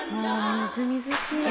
［みずみずしい。